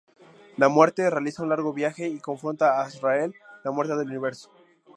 La Muerte, realiza un largo viaje, y confronta a Azrael, la Muerte del Universo.